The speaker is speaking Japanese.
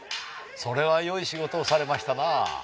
それはよい仕事をされましたな。